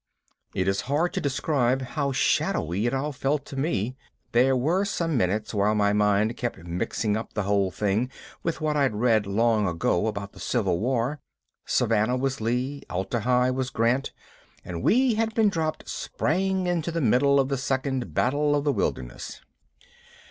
It is hard to describe how shadowy it all felt to me; there were some minutes while my mind kept mixing up the whole thing with what I'd read long ago about the Civil War: Savannah was Lee, Atla Hi was Grant, and we had been dropped spang into the middle of the second Battle of the Wilderness.